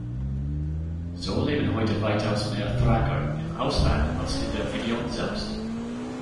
So leben heute weitaus mehr Thraker im Ausland als in der Region selbst.